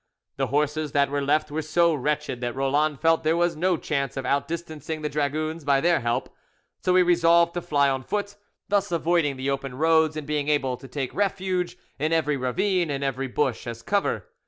The horses that were left were so wretched that Roland felt there was no chance of out distancing the dragoons by their help, so he resolved to fly on foot, thus avoiding the open roads and being able to take refuge in every ravine and every bush as cover.